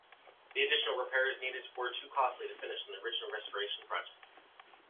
The additional repairs needed were too costly to finish in the original restoration project.